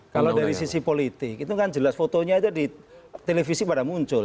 kalau dari sisi politik itu kan jelas fotonya aja di televisi pada muncul